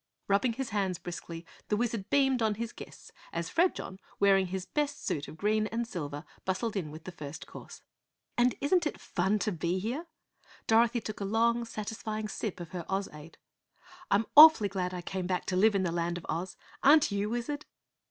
Rubbing his hands briskly the Wizard beamed on his guests as Fredjon, wearing his best suit of green and silver, bustled in with the first course. "And isn't it fun to be here?" Dorothy took a long, satisfying sip of her Ozade. "I'm awfully glad I came back to live in the Land of Oz. Aren't you, Wizard?"